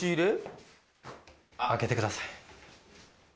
開けてください。